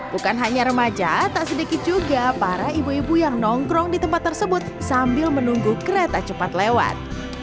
bukan hanya remaja tak sedikit juga para ibu ibu yang nongkrong di tempat tersebut sambil menunggu kereta cepat lewat